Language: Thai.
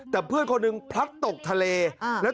แต่เพื่อนคนหนึ่งพลัดตกทะเล